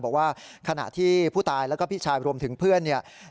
บอกว่าขณะที่ผู้ตายแล้วก็พี่ชายรวมถึงเพื่อนเนี่ย